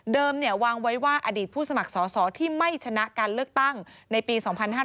วางไว้ว่าอดีตผู้สมัครสอสอที่ไม่ชนะการเลือกตั้งในปี๒๕๕๙